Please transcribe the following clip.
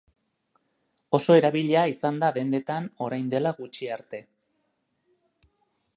Oso erabilia izan da dendetan orain dela gutxi arte.